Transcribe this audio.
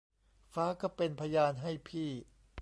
ฟ้าก็เป็นพยาน ให้พี่